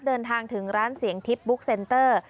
เดินทางถึงร้านเสียงทิพย์บุ๊กเซนเตอร์